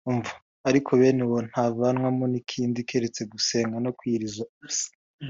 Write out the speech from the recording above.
Ariko bene uwo ntavanwamo n’ikindi keretse gusenga no kwiyiriza ubusa.